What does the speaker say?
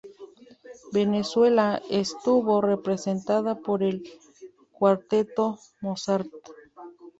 Venezuela estuvo representada por el Cuarteto Mozart.